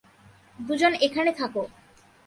দুজন এখানে থাকো।